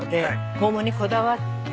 桃にこだわって。